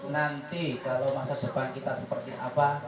nanti kalau masa depan kita seperti apa